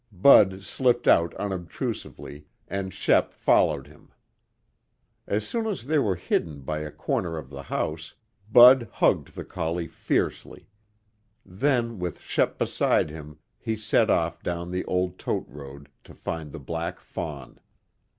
Bud slipped out unobtrusively, and Shep followed him. As soon as they were hidden by a corner of the house, Bud hugged the collie fiercely. Then, with Shep beside him, he set off down the old tote road to find the black fawn.